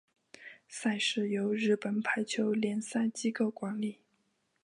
赛事由日本排球联赛机构管理。